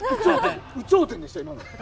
有頂天でした、今の。